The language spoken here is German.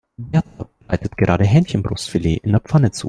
Berta bereitet gerade Hähnchenbrustfilet in der Pfanne zu.